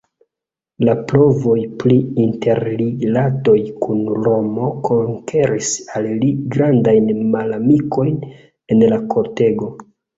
La provoj pri interrilatoj kun Romo konkeris al li grandajn malamikojn en la kortego.